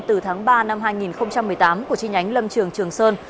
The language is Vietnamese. từ tháng ba năm hai nghìn một mươi tám của chi nhánh lâm trường trường sơn